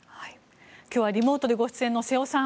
今日はリモートでご出演の瀬尾さん